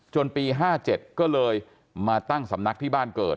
ปี๕๗ก็เลยมาตั้งสำนักที่บ้านเกิด